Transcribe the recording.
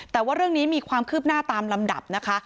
แต่ว่าเรื่องนี้มีความคืบหน้าตามลำดับนะคะ